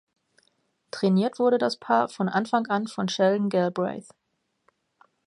Trainiert wurde das Paar von Anfang an von Sheldon Galbraith.